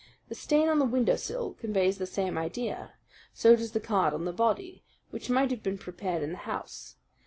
The stain on the windowsill conveys the same idea. So does the card on the body, which might have been prepared in the house.